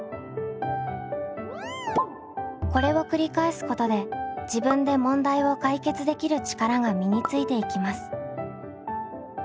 これを繰り返すことで「自分で問題を解決できる力」が身についていきます。